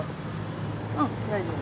うん大丈夫。